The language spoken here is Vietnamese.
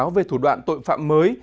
cũng cảnh báo về thủ đoạn tội phạm mới